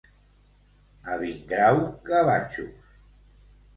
A Vingrau, gavatxos.